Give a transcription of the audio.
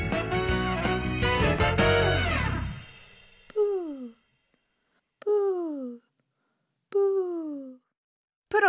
プープープー